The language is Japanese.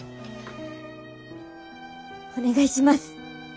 お願いします。